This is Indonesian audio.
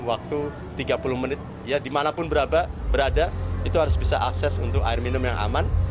waktu tiga puluh menit ya dimanapun berada itu harus bisa akses untuk air minum yang aman